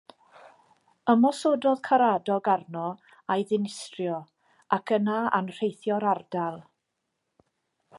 Ymosododd Caradog arno a'i ddinistrio, ac yna anrheithio'r ardal.